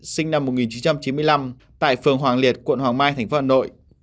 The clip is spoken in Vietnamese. sinh năm một nghìn chín trăm chín mươi năm tại phường hoàng liệt quận hoàng mai tp hcm